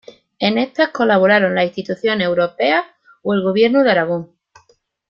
En estas colaboraron las instituciones europeas o el Gobierno de Aragón.